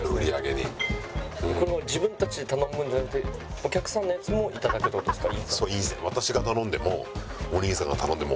これもう自分たちで頼むんじゃなくてお客さんのやつもいただくって事ですか？